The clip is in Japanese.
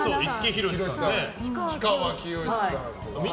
氷川きよしさんとか。